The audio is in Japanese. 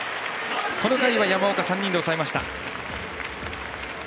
この回は山岡、３人で抑えました。